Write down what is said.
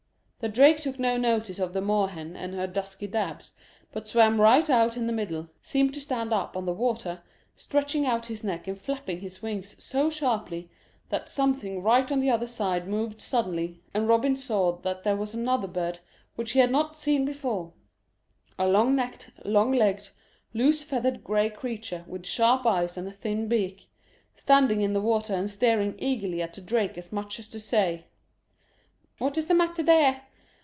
The drake took no notice of the moor hen and her dusky dabs, but swam right out in the middle, seemed to stand up on the water, stretching out his neck and flapping his wings so sharply that something right on the other side moved suddenly, and Robin saw that there was another bird which he had not seen before a long necked, long legged, loose feathered gray creature with sharp eyes and a thin beak, standing in the water and staring eagerly at the drake as much as to say: "What's the matter there?"